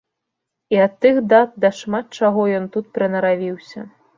І ад тых дат да шмат чаго ён тут прынаравіўся.